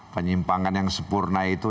penyimpangan yang sempurna itu